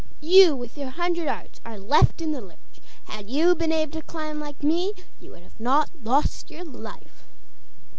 'You with your hundred arts are left in the lurch! Had you been able to climb like me, you would not have lost your life.